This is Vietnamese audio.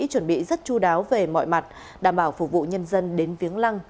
chuẩn bị rất chú đáo về mọi mặt đảm bảo phục vụ nhân dân đến viếng lăng